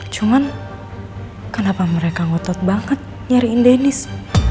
cuman kenapa mereka ngotot banget nyariin denis